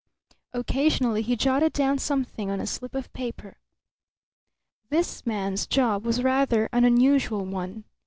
Occasionally he jotted down something on a slip of paper. This man's job was rather an unusual one.